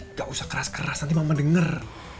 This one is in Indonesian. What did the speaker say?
nggak usah keras keras nanti mama denger